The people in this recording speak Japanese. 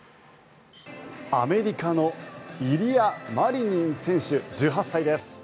アメリカのイリア・マリニン選手１８歳です。